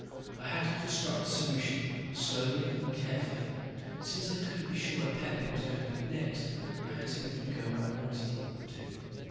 I had to construct a solution, slowly and carefully. Since I couldn't be sure where Pepe was going to be next, I had to make him go where I wanted him to.